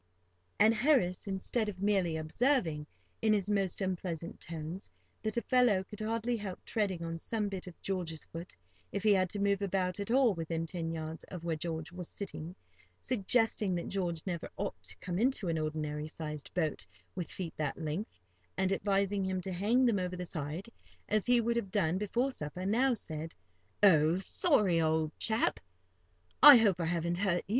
And Harris, instead of merely observing, in his most unpleasant tones, that a fellow could hardly help treading on some bit of George's foot, if he had to move about at all within ten yards of where George was sitting, suggesting that George never ought to come into an ordinary sized boat with feet that length, and advising him to hang them over the side, as he would have done before supper, now said: "Oh, I'm so sorry, old chap; I hope I haven't hurt you."